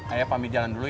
ayah pambil jalan dulu ya